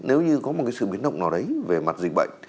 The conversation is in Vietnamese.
nếu như có một sự biến động nào đấy về mặt dịch bệnh